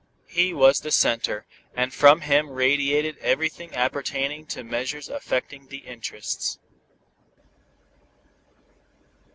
He was the center, and from him radiated everything appertaining to measures affecting "the interests."